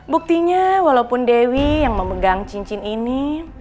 buktinya walaupun dewi yang memegang cincin ini